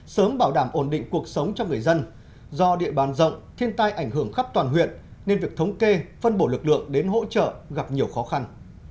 sớm bảo đảm ổn định cuộc sống cho người dân do địa bàn rộng thiên tai ảnh hưởng khắp toàn huyện nên việc thống kê phân bổ lực lượng đến hỗ trợ gặp nhiều khó khăn